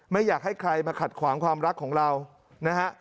ไม่อยากให้ใครมาขัดขวางความรักของเรานะฮะ